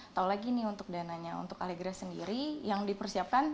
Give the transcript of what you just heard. atau lagi nih untuk dananya untuk kaligraf sendiri yang dipersiapkan